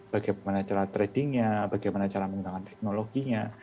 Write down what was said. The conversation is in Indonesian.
bagaimana cara tradingnya bagaimana cara menggunakan teknologinya